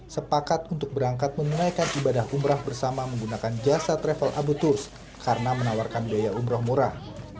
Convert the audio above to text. sepakat untuk berangkat menunaikan ibadah umrah bersama menggunakan jasa travel abu turs karena menawarkan biaya umroh murah